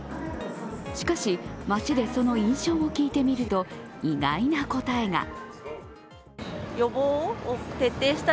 しかし、街でその印象を聞いてみると意外な答えが。